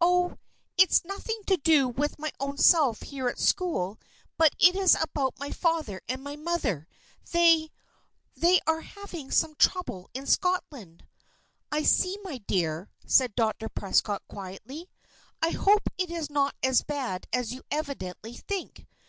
Oh! it's nothing to do with my own self here at school; but it is about my father and my mother. They they are having some trouble in Scotland." "I see, my dear," said Dr. Prescott, quietly. "I hope it is not as bad as you evidently think.